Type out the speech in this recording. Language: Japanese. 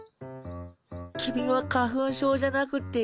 君は花粉症じゃなくっていいね。